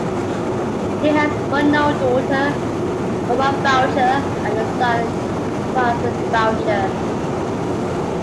He has one known daughter Moragh Boucher and a son Francis Boucher.